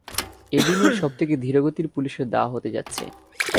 এটা দুনিয়ার সবথেকে ধীরগতির পুলিশের ধাওয়া হতে যাচ্ছে।